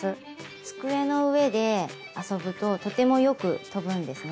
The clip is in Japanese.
机の上で遊ぶととてもよく飛ぶんですね。